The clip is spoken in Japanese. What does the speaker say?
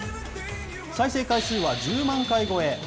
再生回数は１０万回超え。